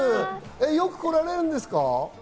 よく来られるんですか？